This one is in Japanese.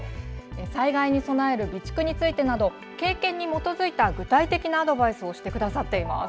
災害に備える備蓄についてなど経験に基づいた具体的なアドバイスをしてくださっています。